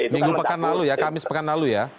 minggu pekan lalu ya kamis pekan lalu ya